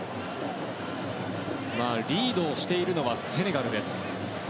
リードしているのはセネガルです。